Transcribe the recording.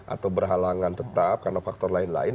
atau berhalangan tetap karena faktor lain lain